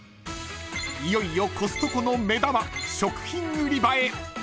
［いよいよコストコの目玉食品売り場へ］